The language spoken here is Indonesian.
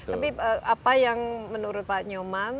tapi apa yang menurut pak nyoman